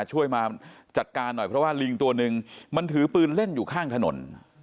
ช่วยมาจัดการหน่อยเพราะว่าลิงตัวหนึ่งมันถือปืนเล่นอยู่ข้างถนน